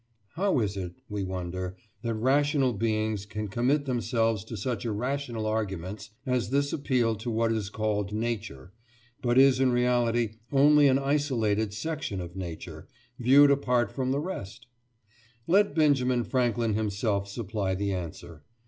How is it, we wonder, that rational beings can commit themselves to such irrational arguments as this appeal to what is called "Nature" but is in reality only an isolated section of Nature, viewed apart from the rest? Let Benjamin Franklin himself supply the answer.